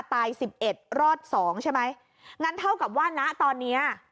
ตาย๑๑รอด๒ใช่ไหมงั้นเท่ากับว่านะตอนเนี้ย